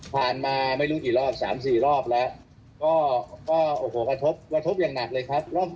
พลังมา๓๔รอบแล้วก็กระทบอย่างหนักเลยครับ